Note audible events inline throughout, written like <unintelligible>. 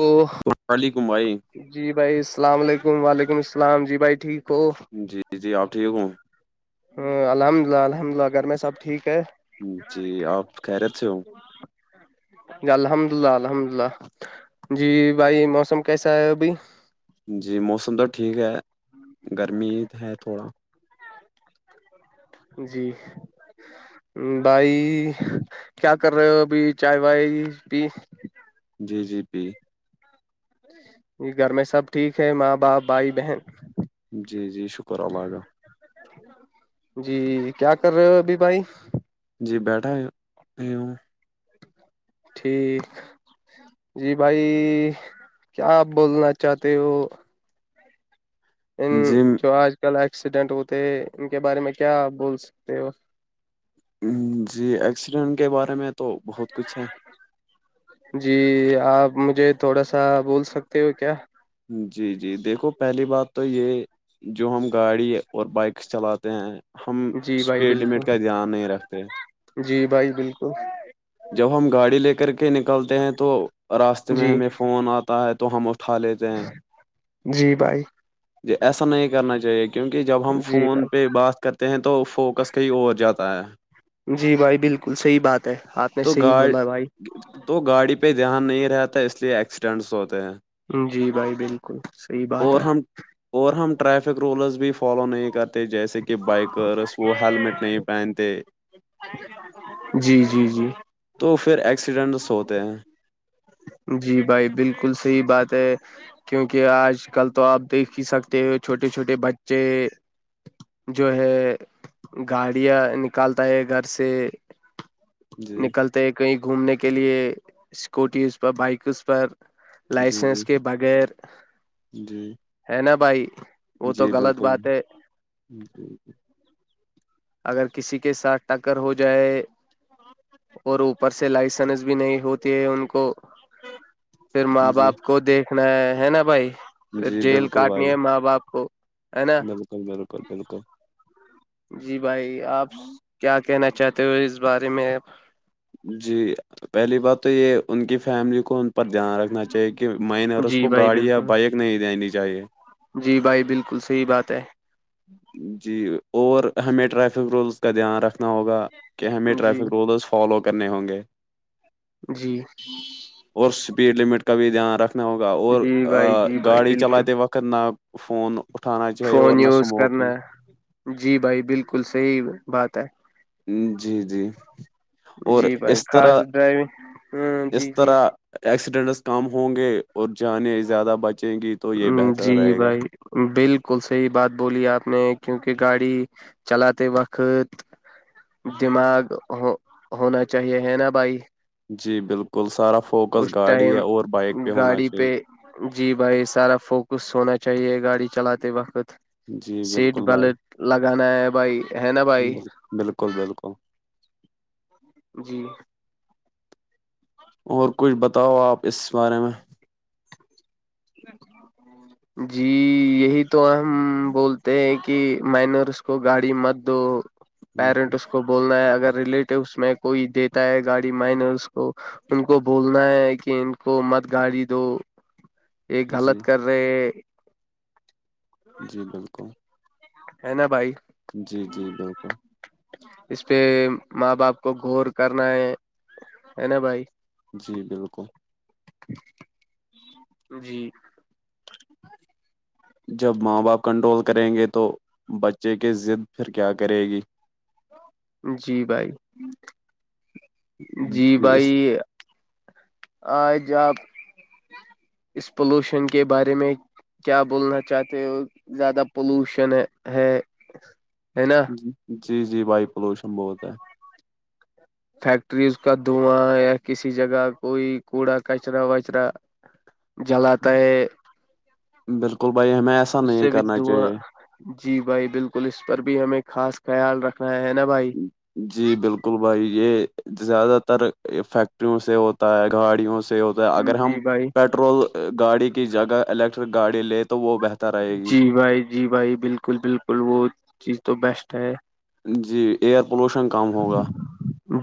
وہ تو خالی گمائے جی بھائی السلام علیکم وعلیکم السلام جی بھائی ٹھیک ہو جی جی آپ ٹھیک ہوں ہوں الحمد للہ الحمد للہ گھر میں سب ٹھیک ہے جی آپ کہہ رت سے ہو ج الحمد اللہ الحمد للہ جی بھائی موسم کیسا ہے ابھ جی موسم تو ٹھیک ہے گرمی ہے تھوڑا جی بھائی کیا کر رہے ہو ابھی چائے بھائی بھی جی جی پی ج گھر میں سب ٹھیک ہے ماں باپ بھائی بہن جی جی شکر اللہ کا جی کیا کر رہے ہو ابھی بھائی جی بیٹھا ٹھیک جی بھائی کیا آپ بولنا چاہتے ہو ان جی جو آج کل ایکسیڈنٹ ہوتے ہیں ان کے بارے میں کیا بول سکتے ہو جی ایکسیڈنٹ کے بارے میں تو بہت کچھ ہے جی آپ مجھے تھوڑا سا بول سکتے ہو کیا جی جی دیکھو پہلی بات تو یہ جو ہم گاڑی اور بائکس چلاتے ہیں ہم جی بھائی اسپیڈ لمٹ کا بالکل دھیان نہیں رکھتے جی بھائی بالکل جب ہم گاڑی لے کر کے نکلتے ہیں تو راستے میں جی ہمیں فون آتا ہے تو ہم اٹھا لیتے ہیں جی بھائی یہ ایسا نہیں کرنا چاہیے کہ کیونکہ جب ہم جی فون بھائی پہ بات کرتے ہیں تو فوکس کہیں اور جاتا ہے جی بھائی بالکل صحیح بات ہے آپ نے تو صحیح گاڑ بولا بھائی تو گاڑی پہ دھیان نہیں رہتا اس لیے ایکسیڈنٹس ہوتے ہیں جی بھائی بالکل صحیح بات اور ہے ہم اور ہم ٹریفک رولز بھی فالو نہیں کرتے جیسے کہ کہ بائکرس وہ ہیلمٹ نہیں پہنتے جی جی جی تو پھر ایکسیڈنٹس ہوتے ہیں جی بھائی بالکل صحی بات ہے کیونکہ آج کل تو آپ دیکھ ہی سکتے ہو چھوٹے چھوٹے بچے جو ہے گاڑیاں نکالتا ہے گھر سے جی نکلتے ہے کہیں گھومنے کے لیے اسکوٹی اس پر بائک اس پر جی جی لائسنس کے بغیر جی ہے نا بھائی وہ تو غلط بات ہے ج جیی اگر کسی کے ساتھ ٹکر ہو جائے اور اوپر سے لائسنس بھی نہیں ہوتی ہے ان کو پھر ماں جی باپ کو دیکھنا ہے نا بھائی پھر جی جیل بالکل کاٹنی ہے ماں باپ کو ہے نا بکل بالکل بالکل جی بھائی آپ کیا کہنا چاہتے ہو اس بارے میں جی پہلی بات تو یہ ان کی فیملی کو پر دھیان رکھنا چاہیے کہ مائنرس جی کو بھائی گاڑی یا بالکل بائک نہیں دینی چاہیے جی بھائی بالکل صحیح بات ہے جی اور ہمیں ٹریفک رولس کا دھیان رکھنا ہوگا کہ ہمیں جی ٹریفک رولز فالو کرنے ہوں گے جی اور اسپیڈ لمٹ کا بھی دھیان رکھنا ہوگا اور جی بھائی جی بھائی گاڑی بالکل چلاتے وقت کرنا فون اٹھانا چاہے اورور فون نہ یوز کرنا اسموکنگ ہے جی بھائی بالکل صحی بات ہے جی جی اور جی بھائی اس خاص طرح ڈرائیونگ ہ جی اس جی طرح ایکسیڈنٹس کم ہوں گے اور جانے زیادہ بچیں گی تو یہ بہتر جی رہے گا بھائی بالکل صحیح بات بولی آپ نے کیونکہ گاڑی چلاتے وقت دماغ ہو ہونا چاہیے ہے نا بھائی جی بالکل سارا فوکس اس گاڑی ہے ٹائم اور بائک پہ ہونا گاڑی چاہیے پہ جی بھائی سارا فوکس ہونا چاہیے گاڑی چلاتے وقت جی سیٹ بالکل بھائی بلٹ لگانا ہے بھائی ہے نا بھائی بل- بالکل بالکل جی اور کچھ بتاؤ آپ اس بارے میں جی یہی تو ہم بولتے ہیں کہ کہ مائنر اس کو گاڑی مت دو ہوں، ہوں، پیرنٹ اس کو کو بولنا ہے اگر ریلیٹوس میں کوئی دیتا ہے گاڑی مینرس کو ان کو بولنا ہے کہ ان کو مت گاڑی دو یہ غلط جی کر رہے جی بالکل ہے ن بھائی جی جی بالکل اس پہ ماں باپ کو گور کرنا ہے ہے نا بھائی جی بالکل جی جب ماں باپ کنٹرول کریں گے تو بچے کے ضد پھر کیا کرے گی جی بھائی جی بھائی آج آپ اس پولوشن کے بارے میں کیا بولنا چاہتے ہو زیادہ پولوشن ہے ہے نا جی جی بائی پولوشن بہت ہے فیکٹری اس کا دھواں یا کسی جگہ کوئی کوڑا کچرا وچرا <inaudible> جلاات ہے بالکل بھائی ہمیں ایسا اس نہیں سے بھی کرنا دھواں چاہیے جی بھائی بالکل اس پر بھی ہمیں خاص خیال رکھنا ہے نا بھائی جی بالکل بھائی یہ زیادہ تر فیکٹریوں سے ہوتا ہے گاڑیوں سے ہوتا ہے اگر ہم جی بھائی پیٹرول گاڑی کی جگہ الیکٹرک گاڑی لیں تو وہ بہتر رہے گی جی بھائی جی بھائی بالکل بالکل وہ چیز تو بیسٹ ہے جی ایئر پولوشن کم ہوگا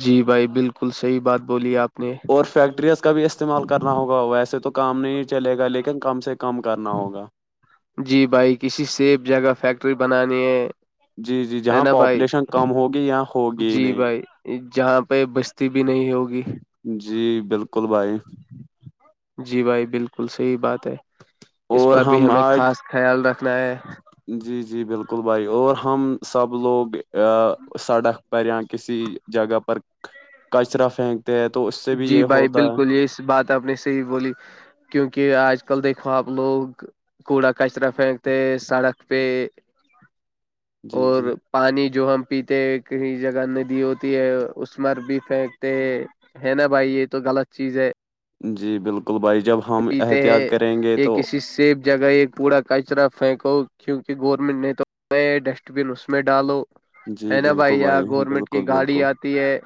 جی بھائی بالکل صحیح بات بولی آپ نے اور فیکٹریز کا بھی استعمال کرنا ہوگا ویسے تو کام نہیں چلے گا لیکن کم سے کم کرنا ہوگا جی بھائی کسی سیف جگہ فیکٹری بنانی ہے جی جی ہے جہاں نا بھائی پاپولیشن کم ہوگی یا ہوگی ہی جی نہیں بھائی جہاں پہ بستی بھی نہیں ہوگی جی بالکل بھائی جی بھائی بالکل صحی بات ہے اس اور پر بھی ہم ہمیں آج خاص خیال رکھنا ہے جی جی بالکل بھائی اور ہم سب لوگ سڑک پر یا کسی جگہ پر کچرا پھینکتے ہیں تو اس سے بھی جی یہ بھائی ہوتا بالکل یہ اس بات اپنے سہی بولی کیونکہ آج کل دیکھو آپ لوگ کوڑا کچرا پھینکتے سڑک پہ جی جی اور پانی جو ہم پیتے کہیں جگہ ندی ہوتی ہے اس میں بھی پھینکتے ہیں ہے نا بھائی یہ تو غلط چیز ہے جی بالکل بھائی جب ہم احتیاط کریں گے تو اس سے جگہ ایک کوڑا کچرا پھینکو کیونکہ گورنمنٹ نے تو نیا ڈسٹ بن اس میں ڈالو جی ہے نا بالکل بھائی گورنمنٹ بالکل کی گاڑی بالکل آتی ہے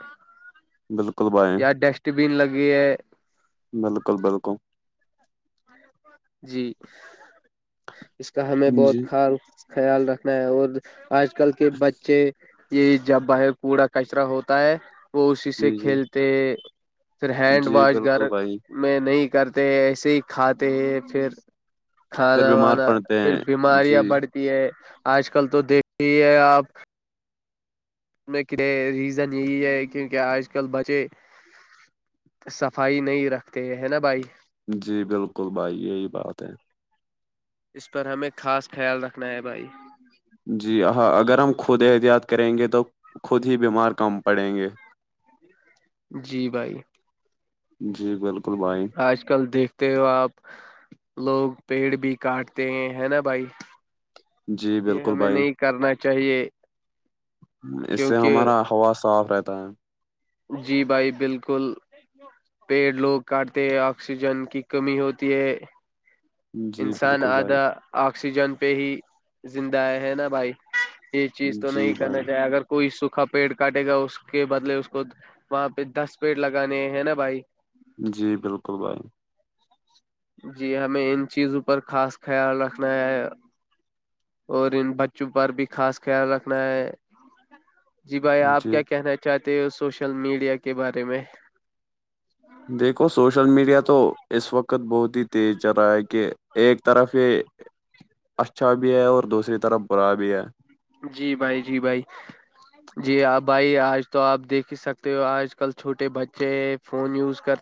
بالکل بھائی یا ڈسٹ بین لگے ہے بالکل بالکل جی اس کا ہمیں بہت جی خل خیال رکھنا ہے اور آج کل کے بچے یہ جب باہر کوڑا کچرا ہوتا ہے وہ اسی سے جی جی کھیلتے پھر ہینڈ جی واش گھر بالکل بھائی میں نہیں کرتے ایسے ہی کھاتے ہیں پھر پھر کھانا بیمار وانا پڑتے پھر ہیں بیماریاں جی بڑھتی ہے آج کل تو دیکھتی ہے آپ اس ریزن یہی ہے کیونکہ آج کل بچے صفائی نہیں رکھتے ہے نا بھائی جی بالکل بھائی یہی بات ہے اس پر ہمیں خاص خیال رکھنا ہے بھائی جی ہاں اگر ہم خود احتیاط کریں گے تو خود ہی بیمار کم پڑیں گے <inaudible> جی بھائی جی بالکل بھائی آج کل دیکھتے ہو آپ لوگ پیڑ بھی کاٹتے ہے نا بھائی جی یہ بالکل ہمیں بھائی نہیں کرنا چاہیے اس سے کیونکہ ہمارا ہوا صاف رہتا ہے جی بھائی بالکل پیڑ لوگ کاٹتے ہیں آکسیجن کی کمی ہوتی ہے ہے جی انسان بالکل آدھا بھائی آکسیجن پہ ہی زندہ ہے ہے نا بھائی یہ چیز تو نہیں جی کرنا بھائی چاہیے اگر کوئی سوکھا پیڑ کاٹے گا اس کے بدلے اس کو وہاں پہ دس پیڑ لگانے ہیں نا بھائی جی بالکل بھائی جی ہمیں ان چیزوں پر خاص خیال رکھنا ہے اور ان بچوں پر بھی خاص خیال رکھنا ہے جی بھائی آپ جی کیا کہنا چاہتے ہو سوشل میڈیا کے بارے میں دیکھو سوشل میڈیا تو اس وقت بہت ہی تیز چل رہا ہے کہ ایک طرف یہ اچھا بھی ہے اور دوسری طرف برا بھی ہے جی بھائی جی بھائی جی بھائی آج تو آپ دیکھ ہی سکتے ہو آج کل چھوٹے بچے فون یوز کر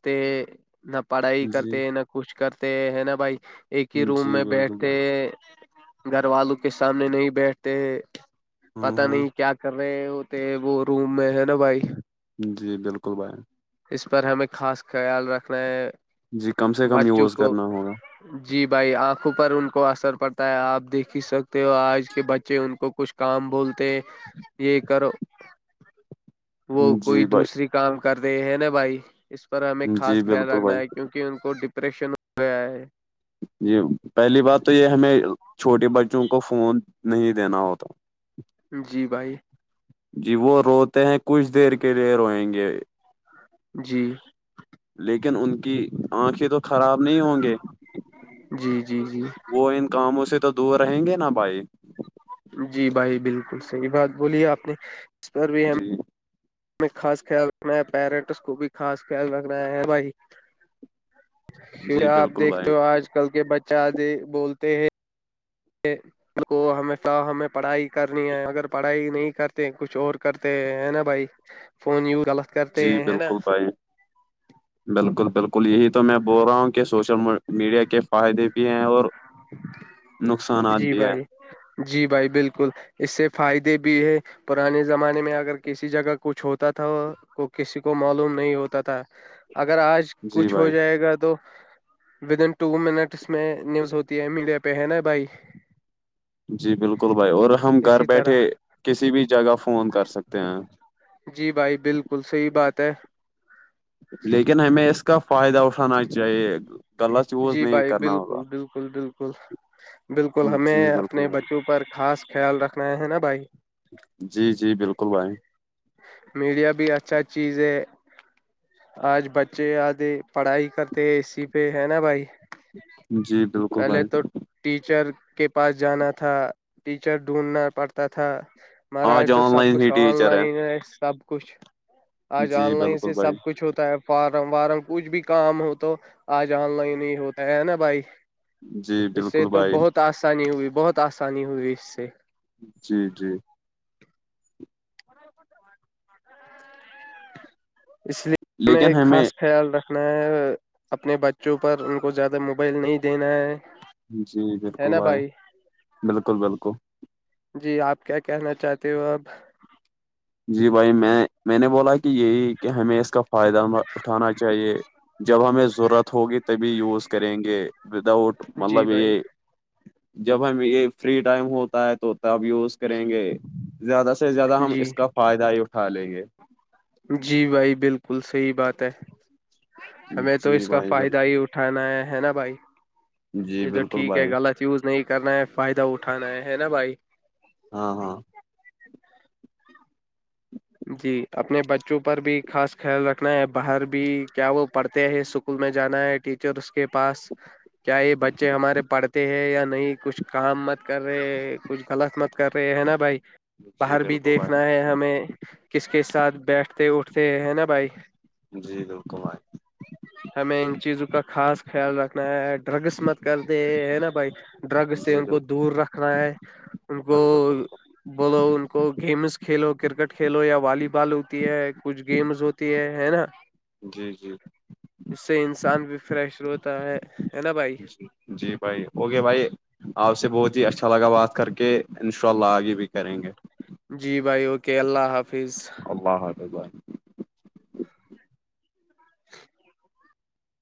نہ پڑھائی جی کرتے نہ کچھ کرتے ہے نا بھائی ایک ہی روم جی میں بالکل بیٹھتے بھائی گھر والوں کے سامنے نہیں بیٹھتے ہاں پتا ہاں نہیں کیا کر رہے ہوتے وہ روم میں ہے نا بھائی جی بالکل اس پر ہمیں خاص خیال رکھنا ہے جی کم سے کم بچوں یوز کو کرنا ہوگا جی بھائی آنکھوں پر ان کو اثر پڑتا ہے آپ دیکھ ہی سکتے ہو آج کے بچے ان کو کچھ کام بولتے ہیں یہ کرو وہ کوئی جی بھائی دوسری کام کر رہے ہیں نا بھائی اس پر ہمیں جی خاص خیال بالکل رکھنا بھائی ہے کیونکہ کہ ان کو ڈپریشن گیا ہے یہ پہلی بات تو یہ ہمیں چھوٹے بچوں کو فون نہیں دینا ہوتا جی بھائی جی وہ روتے ہیں کچھ دیر کے لیے روئیں گے جی لیکن ان کی آنکھیں تو خراب نہیں ہوں گی جی جی جی وہ ان کاموں سے تو دور رہیں گے نا بھائی جی بھائی بالکل صحیح بات بولی ہے آپ نے اس پر بھی ہم <unintelligible> میں خاص خیال رکھنا ہے پیرنٹس کو بھی خاص خیال رکھنا ہے بھائی کی جی آپ بالکل بھائی دیکھتے ہو آج کل کے بچہ آ بولتے ہیں <unintelligible> کو ہمیں صا ہمیں پڑھائی کرنی ہے اگر پڑھائی نہیں کرتے کچھ اور کرتے ہیں نا بھائی <unintelligible> جی ہیں نا بالکل بھائی بالکل بالکل یہی تو میں بول رہا ہوں کہ سوشل میڈیا کے فائدے بھی ہیں اور نقصانات جی بھی ہے بھائی جی بھائی بالکل اس سے فائدے بھی ہے پرانے زمانے میں اگر کسی جگہ کچھ ہوتا تھا تو کسی کو معلوم نہیں ہوتا تھا اگر آج جی کچھ ہو بھائی جائے گا تو ودن ٹو منٹس میں نیوز ہوتی ملے پہ ہے نا بھائی جی بالکل بھائی اور ہم گھر اسی بیٹھے طرح کسی بھی جگہ فون کر سکتے ہیں جی بھائی بالکل صحیح بات ہے لیکن ہمیں اس کا فائدہ اٹھانا چاہیے غلط یوز جی نہیں بھائی کرنا بالکل ہوگا بالکل بالکل بالکل جی ہمیں اپنے بالکل بھائی بچوں پر خاص خیال رکھنا ہے نا بھائی جی جی بالکل بھائی میڈیا بھی اچھا چیز ہے آج بچے آتے پڑھائی کرتے ای پہ ہے نا بھائی جی بالکل پہلے بھائی ٹیچر کے پاس جانا تھا ٹیچر ڈھونڈنا پڑتا تھا مہارا آج تو آن سب لائن ہی کچھ آن ٹیچر ہے لائن سب کچھ آج آن جی لائن سے بالکل سب بھائی کچھ ہوتا ہے فارم وارم کچھ بھی کام ہو تو آج آن لائن ہی ہوتا ہے نا بھائی جی اس سے بالکل تو بھائی بہت آسانی ہوئی بہت آسانی ہوئی اس سے جی جی اس لیے میں لیکن ہمیں خاص خیال رکھنا ہے اپنے بچوں پر ان کو زیادہ موبائل نہیں دینا ہے جی ہے بالکل نا بھائی بالکل بالکل جی آپ کیا کہنا چاہتے ہو اب جی بھائی میں میں نے بولا کہ یہی کہ ہمیں اس کا فائدہ اٹھانا چاہیے جب ہمیں ضرورت ہوگی تبھی یوز کریں گے ود آؤٹ جی مطلب بھائی یہ جب ہم یہ فری ٹائم ہوتا ہے تو تب یہ کریں گے زیادہ سے زیادہ ہم جی اس کا فائدہ ہی اٹھا لیں گے جی بھائی بالکل صحیح بات ہے ہمیں تو جی اس کا بھائی فائدہ ہی بالکل اٹھ اٹٹھنا ہے نا بھائی جی یہ تو بالکل ٹھیک ہے بھائی غلط یوز نہیں کرنا ہے فائدہ اٹھانا ہے ہے نا بھائی ہاں ہاں جی اپنے بچوں پر بھی خاص خیال رکھنا ہے باہر بھی کیا وہ پڑھتے ہیں اسکول میں جانا ہے ٹیچرس کے پاس کیا یہ بچے ہمارے پڑھتے ہیں یا نہیں کچھ کام مت کر رہے کچھ غلط مت کر رہے ہے نا بھائی جی باہر بھی بالکل دیکھنا بھائی ہے ہمیں کس کے ساتھ بیٹھتے اٹھتے ہے نا بھائی جی بالکل بھائی ہمیں ان چیزوں کا خاص خیال رکھنا ہے ڈرگس مت کرتے ہیں نا بھائی ڈرگ سے جی ان کو بالکل دور رکھنا ہے ان کو بالکل بالکل بولو ان کو گیمس کھیلو کرکٹ کھیلو یا والی بال ہوتی ہے کچھ گیمز ہوتی ہے ہے نا جی جی اس سے انسان بھی فریش ہوتا ہے ہے نا بھائی ج جی بھائی اوکے بھائی آپ سے بہت ہی اچھا لگا بات کر کے ان شاء اللہ آگے بھی کریں گے جی بھائی اوکے اللہ حافظ <inaudible>